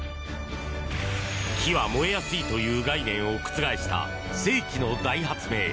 木は燃えやすいという概念を覆した世紀の大発明！